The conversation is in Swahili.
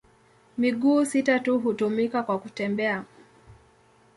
Miguu sita tu hutumika kwa kutembea.